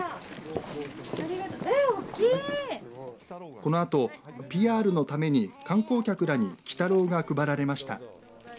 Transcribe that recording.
このあとＰＲのために観光客らに輝太郎が配られました。